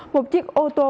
một chiếc ô tô